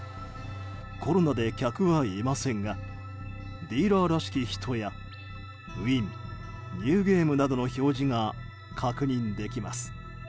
コロナで客はいませんがディーラーらしき人やウィン、ニューゲームなどの表示が確認できます。